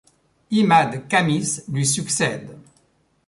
Imad Khamis lui succède.